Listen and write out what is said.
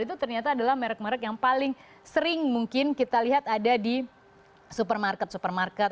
itu ternyata adalah merek merek yang paling sering mungkin kita lihat ada di supermarket supermarket